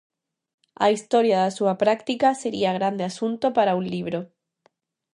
A historia da súa práctica sería grande asunto para un libro.